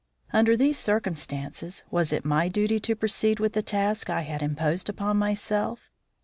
Under these circumstances was it my duty to proceed with the task I had imposed upon myself?